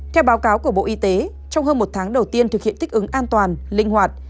theo báo cáo của bộ y tế trong hơn một tháng đầu tiên thực hiện thích ứng an toàn linh hoạt